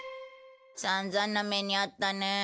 さんざんな目に遭ったね。